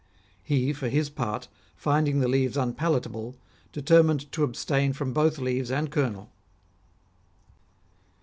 He for his part, finding the leaves unpalatable, determined to abstain from both leaves and kernel.